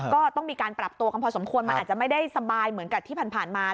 ก็ต้องมีการปรับตัวกันพอสมควรมันอาจจะไม่ได้สบายเหมือนกับที่ผ่านมา